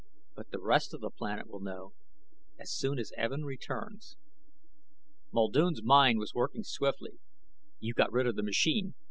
But the rest of the planet will know. As soon as Evin returns." Muldoon's mind was working swiftly. "You got rid of the machine.